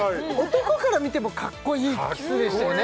男から見てもかっこいいキスでしたよね